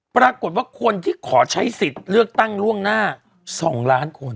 ปรากฏว่าคนที่ขอใช้สิทธิ์เลือกตั้งล่วงหน้า๒ล้านคน